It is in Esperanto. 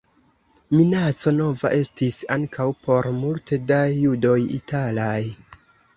Minaco nova estis ankaŭ por multe da judoj italaj.